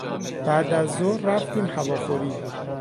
بعدازظهر رفتیم هواخوری.